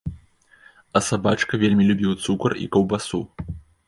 А сабачка вельмі любіў цукар і каўбасу.